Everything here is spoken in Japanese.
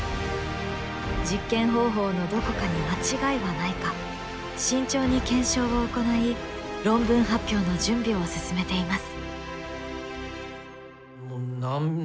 実験方法のどこかに間違いはないか慎重に検証を行い論文発表の準備を進めています。